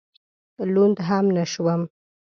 لوند هم نه شوم.